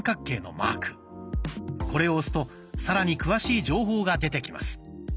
これを押すとさらに詳しい情報が出てきます。